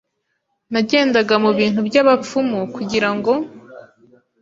Nagendaga mu bintu by’abapfumu kugirango